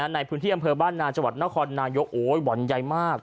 ในพื้นที่อำเภอบ้านนาจังหวัดนครนายกโอ้ยบ่อนใหญ่มาก